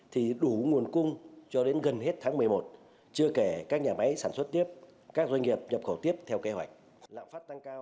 thì đủ nguồn cung cho đến gần hết tháng một mươi một chưa kể các nhà máy sản xuất tiếp các doanh nghiệp nhập khẩu tiếp theo kế hoạch